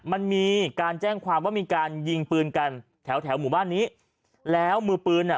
มันมีการแจ้งความว่ามีการยิงปืนกันแถวแถวหมู่บ้านนี้แล้วมือปืนอ่ะ